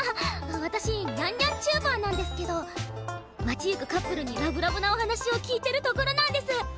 私にゃんにゃんチューバーなんですけど街行くカップルにラブラブなお話を聞いてるところなんです。